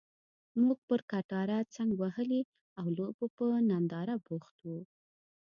موږ پر کټاره څنګ وهلي او لوبو په ننداره بوخت وو.